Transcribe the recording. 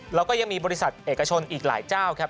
แล้วก็ยังมีบริษัทเอกชนอีกหลายเจ้าครับ